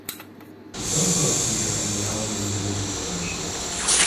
It does not appear on the album's original version.